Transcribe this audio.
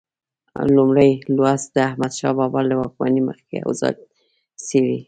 لومړی لوست د احمدشاه بابا له واکمنۍ مخکې اوضاع څېړي.